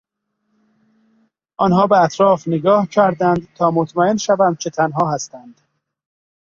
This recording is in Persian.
آنها به اطراف نگاه کردند تا مطمئن شوند که تنها هستند.